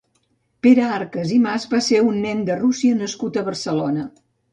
Pere Arcas i Mas va ser un nen de russia nascut a Barcelona.